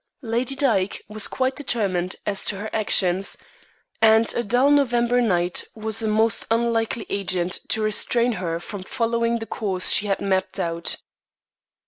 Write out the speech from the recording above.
Lady Dyke was quite determined as to her actions, and a dull November night was a most unlikely agent to restrain her from following the course she had mapped out.